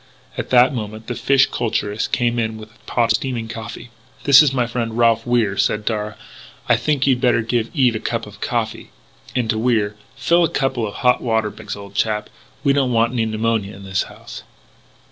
At that moment the fish culturist came in with a pot of steaming coffee. "This is my friend, Ralph Wier," said Darragh. "I think you'd better give Eve a cup of coffee." And, to Wier, "Fill a couple of hot water bags, old chap. We don't want any pneumonia in this house."